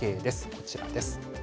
こちらです。